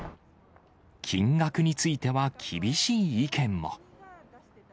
金額については厳しい意見も。